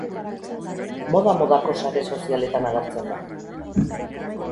Moda-modako sare sozialetan agertzen da.